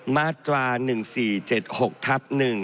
มาตรา๑๔๗๖ทับ๑